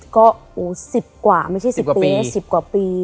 ก็๑๐กว่าไม่ใช่๑๐ปี๑๐กว่าปี